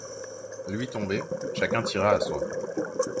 Lui tombé, chacun tira à soi.